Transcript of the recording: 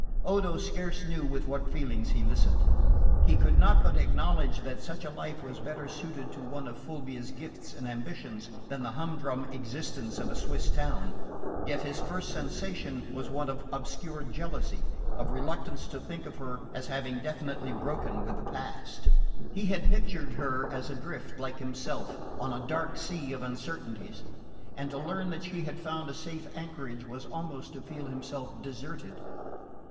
Odo scarce knew with what feelings he listened. He could not but acknowledge that such a life was better suited to one of Fulvia's gifts and ambitions than the humdrum existence of a Swiss town; yet his first sensation was one of obscure jealousy, of reluctance to think of her as having definitely broken with the past. He had pictured her as adrift, like himself, on a dark sea of uncertainties; and to learn that she had found a safe anchorage was almost to feel himself deserted.